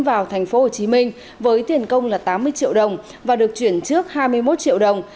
vào thành phố hồ chí minh với tiền công là tám mươi triệu đồng và được chuyển trước hai mươi một triệu đồng